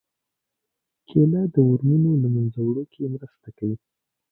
کېله د ورمونو له منځه وړو کې مرسته کوي.